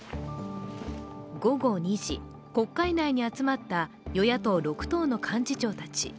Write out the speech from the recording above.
午後２時、国会内に集まった与野党６党の幹事長たち。